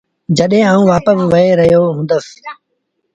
جڏهيݩ آئوٚݩ وآپس وهي رهيو هُندس۔